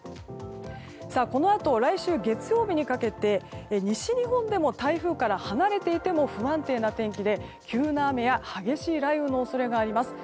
このあと、来週月曜日にかけて西日本でも台風から離れていても不安定な天気で急な雨や激しい雷雨の恐れがあります。